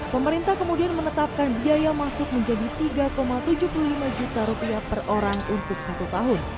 pemerintah kemudian menetapkan biaya masuk menjadi tiga tujuh puluh lima juta rupiah per orang untuk satu tahun